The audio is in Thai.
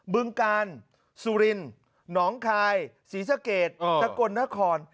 บึงกาลสุรินหนองคายศรีสะเกดสกลนคร